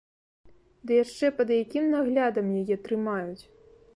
Ды яшчэ пад якім наглядам яе трымаюць!